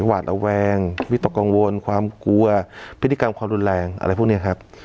หวาดระแวงวิตกกังวลความกลัวพฤติกรรมความรุนแรงอะไรพวกนี้ครับ